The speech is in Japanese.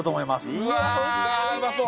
うわあうまそう！